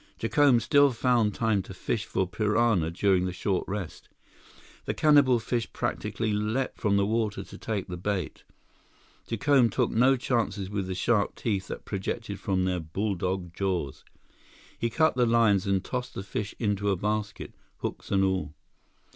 Jacome still found time to fish for piranha during the short rest. The cannibal fish practically leaped from the water to take the bait. Jacome took no chances with the sharp teeth that projected from their bulldog jaws. He cut the lines and tossed the fish into a basket, hooks and all.